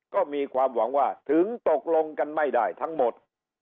ก็มีความหวังว่าถึงตกลงกันไม่ได้ทั้งหมด